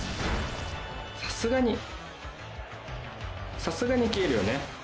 さすがにさすがに消えるよね。